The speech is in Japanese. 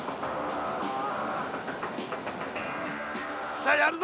さあやるぞ！